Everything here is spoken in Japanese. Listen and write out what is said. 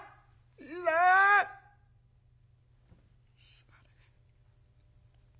すまねえ」。